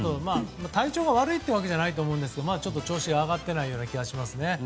体調が悪いというわけじゃないと思うんですが調子が上がっていないような気がしますね。